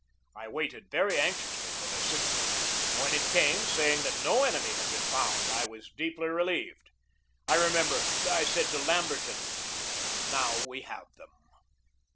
I waited very anxiously for their signal. When it came, saying that no enemy had been found, I was deeply relieved. I remember that I said to Lamberton, "Now we have them."